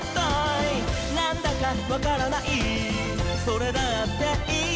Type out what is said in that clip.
「なんだかわからないそれだっていい」